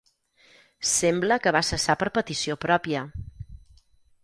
Sembla que va cessar per petició pròpia.